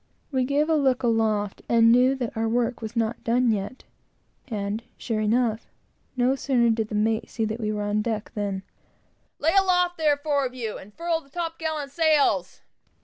We gave a look aloft, and knew that our work was not done yet; and, sure enough, no sooner did the mate see that we were on deck, than "Lay aloft there, four of you, and furl the top gallant sails!"